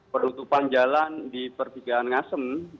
perutupan jalan di perpigaan ngasem